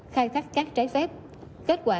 khai thác cát trái phép kết quả